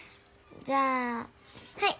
じゃあはい。